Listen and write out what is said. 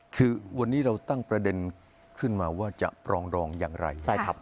คือวันนี้เราตั้งประเด็นขึ้นมาว่าจะปรองดองอย่างไร